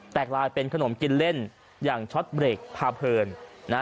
กลายเป็นขนมกินเล่นอย่างช็อตเบรกพาเพลินนะฮะ